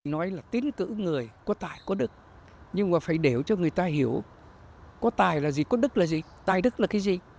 nói là tín cử người có tài có đức nhưng mà phải để cho người ta hiểu có tài là gì có đức là gì tài đức là cái gì